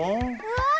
わあ！